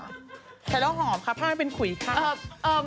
น่าจะเดียวแคล้วหอมค่ะผ้าให้เป็นขุยครับ